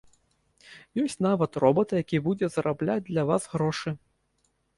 Ёсць нават робат які будзе зарабляць для вас грошы.